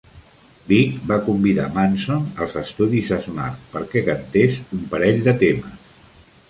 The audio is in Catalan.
Vig va convidar Manson als estudis Smart perquè cantés un parell de temes.